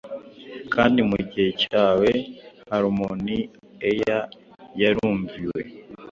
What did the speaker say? Kandi mugihe cyoe Harmoniou Air yarumviwe